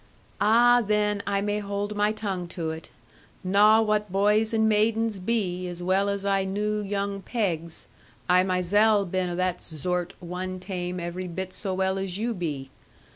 'Ah, then I may hold my tongue to it. Knaw what boys and maidens be, as well as I knew young pegs. I myzell been o' that zort one taime every bit so well as you be.'